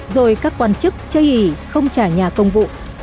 rồi các quan chức chơi ủy không trả nhà công vụ